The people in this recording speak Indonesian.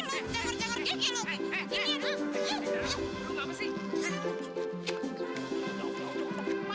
boleh boleh dong dong gue bf sendiri